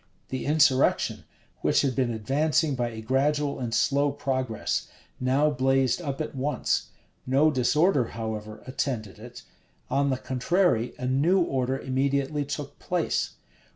The insurrection, which had been advancing by a gradual and slow progress, now blazed up at once. No disorder, however, attended it. On the contrary, a new order immediately took place.